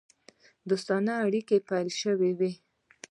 دوستانه اړېکي پیل سوي وه.